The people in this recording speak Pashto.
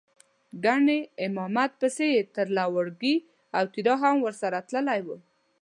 ګنې امامت پسې یې تر لواړګي او تیرا هم سر وتلی و.